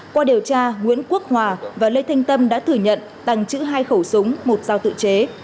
qua điều tra nguyễn quốc hòa và lê thanh tâm đã thừa nhận tàng trữ hai khẩu súng một dao tự chế